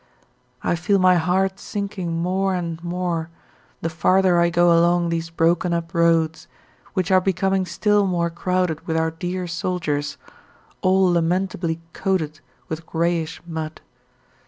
I feel my heart sinking more and more the farther I go along these broken up roads, which are becoming still more crowded with our dear soldiers, all lamentably coated with greyish mud.